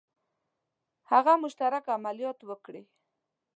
هغه مشترک عملیات وکړي.